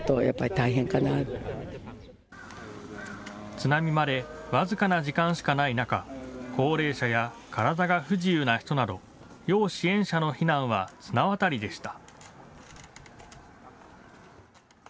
津波まで僅かな時間しかない中、高齢者や体が不自由な人など要支援者の避難は綱渡りでした。